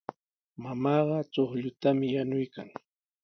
Mamaaqa chuqllutami yanuykan.